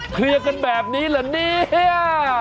เคลียร์กันแบบนี้เหรอเนี่ย